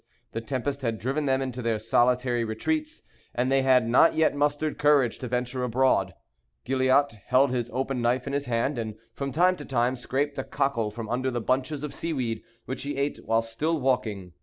The tempest had driven them into their solitary retreats; and they had not yet mustered courage to venture abroad. Gilliatt held his open knife in his hand, and from time to time scraped a cockle from under the bunches of sea weed, which he ate while still walking.